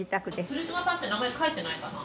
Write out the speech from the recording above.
「ツルシマさんって名前書いてないかな？」